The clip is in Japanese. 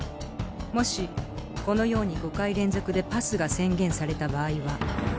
もしこのように５回連続でパスが宣言された場合は流れ。